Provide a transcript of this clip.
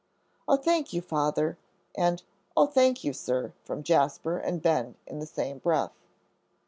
"Oh, thank you, Father," and "Oh, thank you, sir," from Jasper and Ben in the same breath.